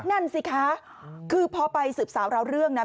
นั่นสิคะคือพอไปสืบสาวเราเรื่องนะ